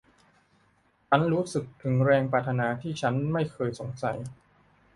ฉันรู้สึกถึงแรงปรารถนาที่ฉันไม่เคยสงสัย